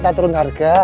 nanti turun harga